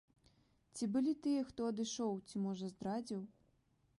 Ці былі тыя хто адышоў, ці, можа, здрадзіў?